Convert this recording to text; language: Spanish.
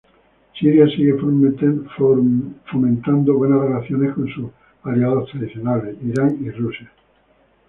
Siria sigue fomentando buenas relaciones con sus aliados tradicionales, Irán y Rusia.